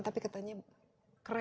tapi katanya kerennya